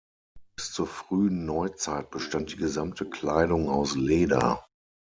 Bis zur frühen Neuzeit bestand die gesamte Kleidung aus Leder.